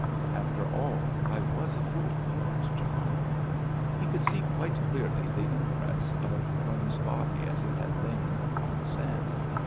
"After all, I was a fool!" thought John. He could see quite clearly the impress of "Crumbs's" body as it had lain upon the ground.